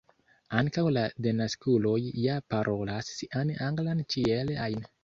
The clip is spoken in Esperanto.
ankaŭ la denaskuloj ja parolas sian anglan ĉiel ajn.